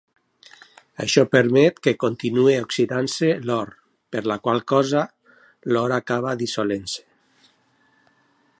Això permet que continuï oxidant-se l'or, per la qual cosa l'or acaba dissolent-se.